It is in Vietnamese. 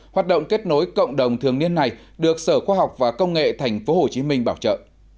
hoạt động kết nối cộng đồng thường niên này được sở khoa học và công nghệ tp hcm bảo trợ